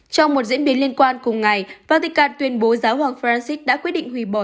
trong một diễn biến liên quan cùng ngày patika tuyên bố giáo hoàng francis đã quyết định hủy bỏ